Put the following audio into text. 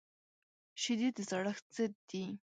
شیدې د زړښت ضد دي